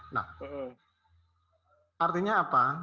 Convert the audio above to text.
nah artinya apa